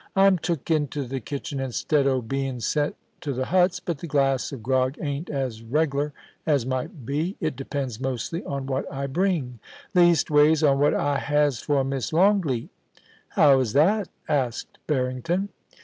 * I'm took into the kitchen instead o' being sent to the huts ; but the glass of grog ain't as reglar as might be. It depends mostly on what I bring — ^leastways, on what I has for Miss Longleat* * How is that ?* asked Barrington.